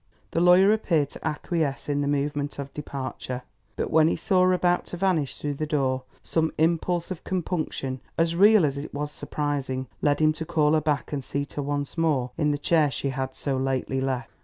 The lawyer appeared to acquiesce in the movement of departure. But when he saw her about to vanish through the door, some impulse of compunction, as real as it was surprising, led him to call her back and seat her once more in the chair she had so lately left.